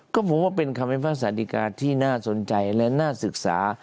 ก็พูดว่าเป็นคำวิทธิภาษาอีกการที่น่าสนใจและน่าศึกษา